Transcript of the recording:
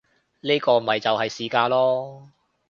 呢個咪就係市價囉